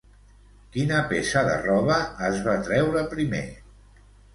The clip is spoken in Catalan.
Quina peça de roba es va treure primer?